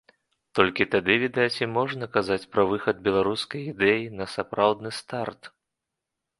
Толькі тады, відаць, і можна казаць пра выхад беларускай ідэі на сапраўдны старт.